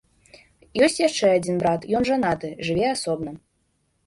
Ёсць яшчэ адзін брат, ён жанаты, жыве асобна.